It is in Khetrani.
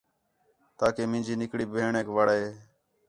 تاکہ مینجی نِکڑی بھیݨیک وَڑے